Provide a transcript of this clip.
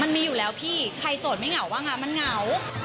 มันมีอยู่แล้วพี่ใครโสดไม่เหงาว่างั้นมันเหงา